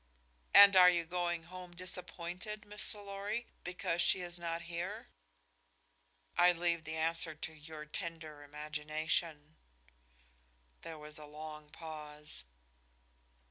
"And are you going home disappointed, Mr. Lorry, because she is not here?" "I leave the answer to your tender imagination." There was a long pause.